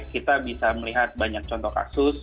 kita bisa melihat banyak contoh kasus